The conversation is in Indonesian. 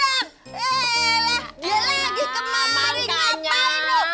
eh elah dia lagi kemari ngapain lo